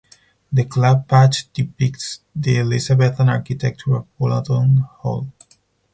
The Club Badge depicts the Elizabethan architecture of Wollaton Hall.